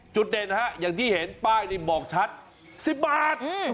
จุดเด่นฮะอย่างที่เห็นป้ายนี่บอกชัด๑๐บาท